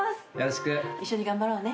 一緒に頑張ろうね。